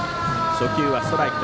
初球はストライク。